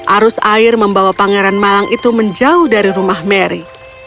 arus air membawa pangeran malang itu menjauh dari rumah mary